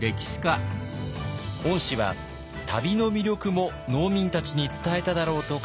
御師は旅の魅力も農民たちに伝えただろうと考えます。